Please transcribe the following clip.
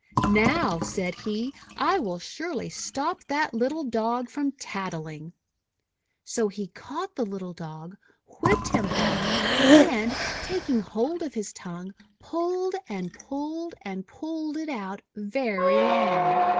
"Now," said he, "I will surely stop that little Dog from tattling!'1 So he caught the little Dog, whipped him hard, and, taking hold of his tongue, pulled, and pulled, and pulled it out very long.